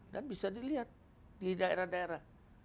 dan bisa dilihat di daerah daerah